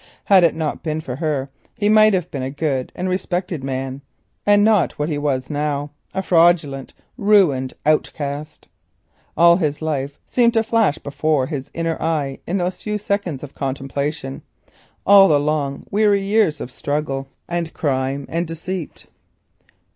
Had it not been for her he might have been a good and respected man, and not what he was now, a fraudulent ruined outcast. All his life seemed to flash before his inner eye in those few seconds of contemplation, all the long weary years of struggle, crime, and deceit.